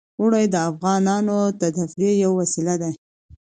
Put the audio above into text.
اوړي د افغانانو د تفریح یوه وسیله ده.